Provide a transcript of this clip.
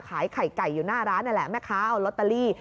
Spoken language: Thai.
ขายไข่ไก่อยู่หน้าร้านนั่นแหละแม่ค้าเอาลอตเตอรี่